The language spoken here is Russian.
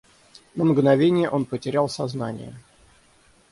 На мгновение он потерял сознание.